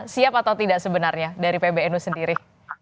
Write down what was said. siap atau tidak sebenarnya dari pbnu sendiri